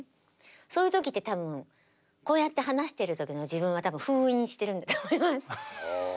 そういう時って多分こうやって話してる時の自分は封印してるんだと思います。